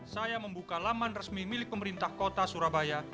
saya membuka laman resmi milik pemerintah kota surabaya